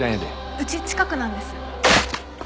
うち近くなんです。